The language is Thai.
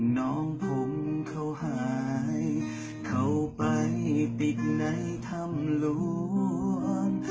น้องผมเขาหายเขาไปติดในถ้ำหลวง